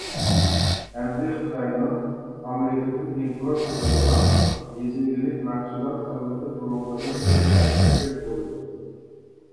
ئەمدى خىتاينىڭ ئامېرىكىدىن ئىمپورت قىلىدىغان يېزا ئىگىلىك مەھسۇلات قىممىتى بۇرۇنقىدىن بىر ھەسسە كۆپ بولىدۇ.